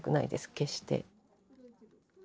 決して。